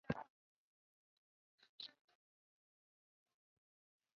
斯坦普托是位于美国阿肯色州范布伦县的一个非建制地区。